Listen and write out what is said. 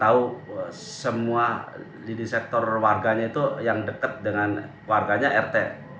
kita tahu semua di sektor warganya itu yang dekat dengan warganya rt